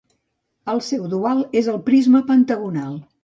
El seu dual és el prisma pentagonal.